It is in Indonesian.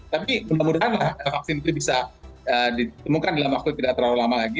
tapi mudah mudahan lah vaksin itu bisa ditemukan dalam waktu tidak terlalu lama lagi